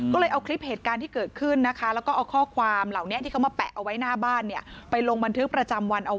ก็เลยเอาคลิปเหตุการณ์ที่เกิดขึ้นนะคะแล้วก็เอาข้อความเหล่านี้ที่เขามาแปะเอาไว้หน้าบ้านไปลงบันทึกประจำวันเอาไว้